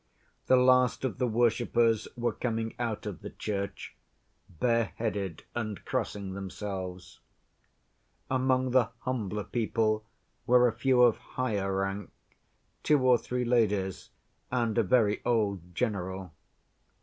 The last of the worshippers were coming out of the church, bareheaded and crossing themselves. Among the humbler people were a few of higher rank—two or three ladies and a very old general.